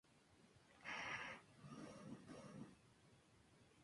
El equipo de Eddie salió victorioso de ese evento.